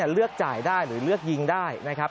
เลือกจ่ายได้หรือเลือกยิงได้นะครับ